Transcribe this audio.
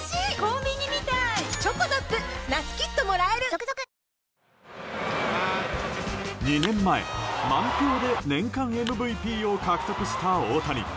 「サントリー天然水」２年前、満票で年間ＭＶＰを獲得した大谷。